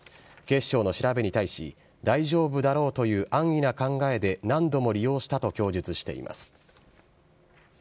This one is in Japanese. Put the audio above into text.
警視庁の調べに対し、大丈夫だろうという安易な考えで何度も利用したと供述しています。